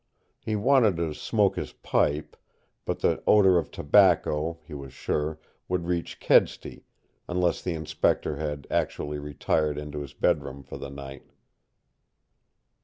He wanted to smoke his pipe, but the odor of tobacco, he was sure, would reach Kedsty, unless the Inspector had actually retired into his bedroom for the night.